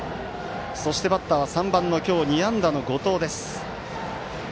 そしてバッター３番の今日２安打の後藤。